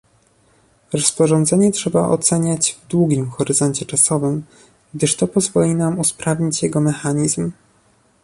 Rozporządzenie trzeba oceniać w długim horyzoncie czasowym, gdyż to pozwoli nam usprawnić jego mechanizm